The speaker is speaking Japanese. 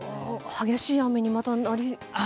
激しい雨にまたなると。